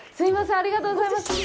ありがとうございます。